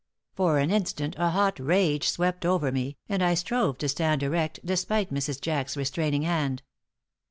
For an instant a hot rage swept over me, and I strove to stand erect, despite Mrs. Jack's restraining hand.